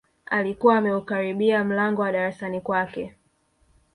Alikuwa ameukaribia mlango wa darasani kwake